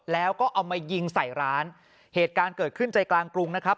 แล้วก็เอามายิงใส่ร้านเหตุการณ์เกิดขึ้นใจกลางกรุงนะครับ